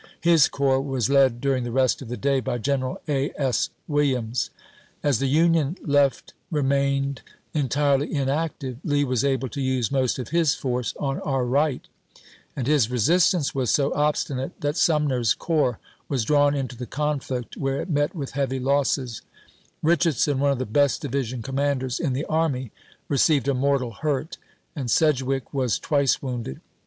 His corps was led during the rest of the day by General A. S. Williams. As the Union left re mained entirely inactive, Lee was able to use most of his force on our right, and his resistance was so obstinate that Sumner's corps was drawn into the conflict, where it met with heavy losses ; Richard son, one of the best division commanders in the army, received a mortal hurt, and Sedgwick was twice wounded.